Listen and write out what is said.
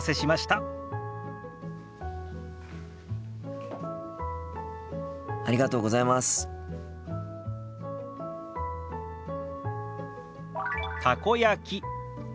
「たこ焼き」。